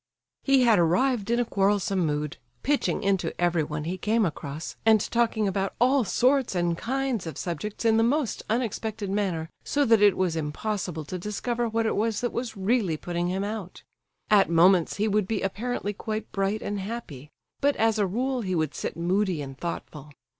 He had arrived in a quarrelsome mood, pitching into everyone he came across, and talking about all sorts and kinds of subjects in the most unexpected manner, so that it was impossible to discover what it was that was really putting him out. At moments he would be apparently quite bright and happy; but as a rule he would sit moody and thoughtful.